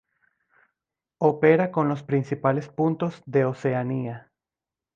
Opera con los principales puntos de Oceanía.